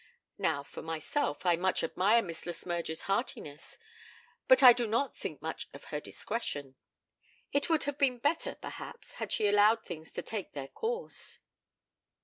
Now, for myself, I much admire Miss Le Smyrger's heartiness, but I do not think much of her discretion. It would have been better, perhaps, had she allowed things to take their course.